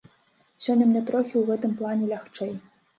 Сёння мне трохі ў гэтым плане лягчэй.